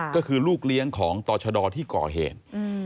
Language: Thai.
ก็คือลูกเลี้ยงของต่อชะดอที่ก่อเหตุ